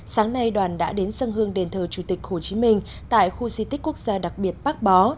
sáng nay đoàn đã đến dân hương đền thờ chủ tịch hồ chí minh tại khu di tích quốc gia đặc biệt bác bó